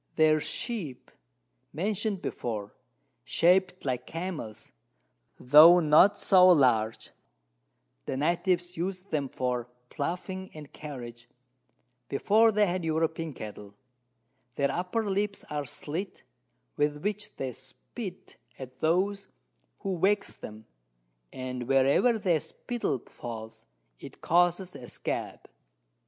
Their Sheep, mention'd before, shap'd like Camels, tho' not so large: The Natives us'd them for Ploughing and Carriage, before they had European Cattle: Their upper Lips are slit, with which they spit at those who vex them, and wherever their Spittle falls, it causes a Scab.